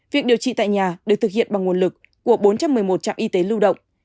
việc điều trị tại nhà được thực hiện bằng nguồn lực của bốn trăm một mươi một trạm y tế lưu động